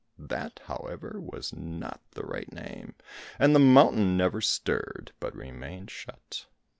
That, however, was not the right name, and the mountain never stirred, but remained shut.